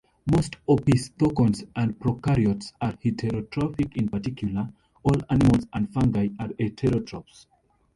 Most opisthokonts and prokaryotes are heterotrophic; in particular, all animals and fungi are heterotrophs.